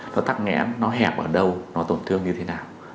nó tắc nghẽn nó hẹp ở đâu nó tổn thương như thế nào